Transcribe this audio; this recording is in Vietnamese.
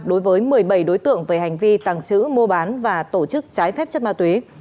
đối với một mươi bảy đối tượng về hành vi tàng trữ mua bán và tổ chức trái phép chất ma túy